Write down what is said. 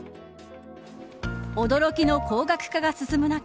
驚きの高額化が進む中